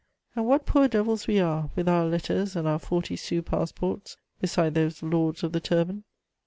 And what poor devils we are, with our letters and our forty sou passports, beside those lords of the turban!